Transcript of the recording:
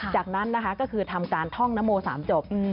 จากนั้นจะทำการท่องนโมสามจบ